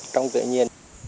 trong tự nhiên